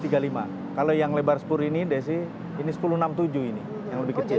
kalau yang lebar spur ini desi ini sepuluh enam puluh tujuh ini yang lebih kecil